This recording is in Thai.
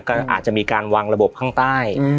ก็อาจจะมีการวางระบบข้างใต้